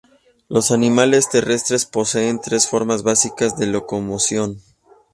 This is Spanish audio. Los animales terrestres poseen tres formas básicas de locomoción